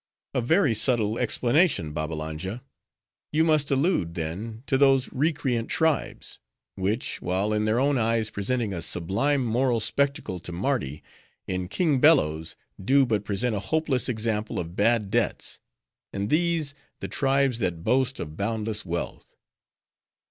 "A very subtle explanation, Babbalanja. You must allude, then, to those recreant tribes; which, while in their own eyes presenting a sublime moral spectacle to Mardi,—in King Bello's, do but present a hopeless example of bad debts. And these, the tribes that boast of boundless wealth."